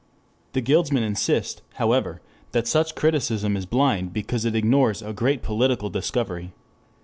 5 The guildsmen insist, however, that such criticism is blind because it ignores a great political discovery.